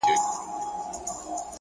خوبيا هم ستا خبري پټي ساتي’